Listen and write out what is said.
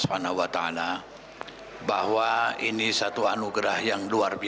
selanjutnya akan tetap bersama sama